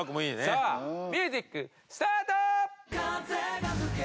さあミュージックスタート！